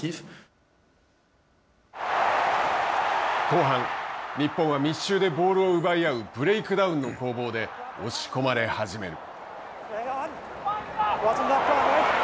後半、日本は密集でボールを奪いあうブレイクダウンの攻防で押し込まれ始める。